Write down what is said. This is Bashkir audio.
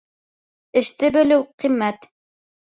Эште белеү ҡиммәт.